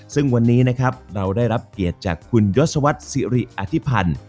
ซึ่งวันนี้นะครับเราได้รับเกียรติจากคุณยศวรรษศิริอธิพันธ์